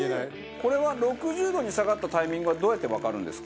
これは６０度に下がったタイミングはどうやってわかるんですか？